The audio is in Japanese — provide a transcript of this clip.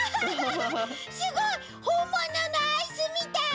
すごい！ほんもののアイスみたい！